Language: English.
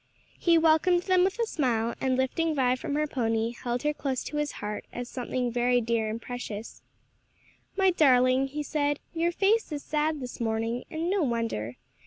He welcomed them with a smile, and lifting Vi from her pony, held her close to his heart as something very dear and precious. "My darling," he said, "your face is sad this morning; and no wonder.